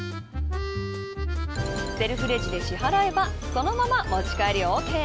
セルフレジで支払えばそのまま持ち帰りＯＫ。